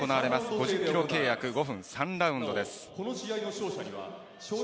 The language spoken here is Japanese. ５０ｋｇ契約５分３ラウンドです。